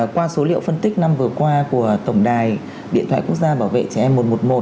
qua số liệu phân tích năm vừa qua của tổng đài điện thoại quốc gia bảo vệ trẻ em một trăm một mươi một